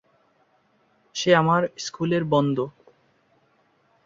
সে আমার স্কুলের বন্ধু।